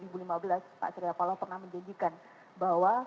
pak surya paloh pernah menjanjikan bahwa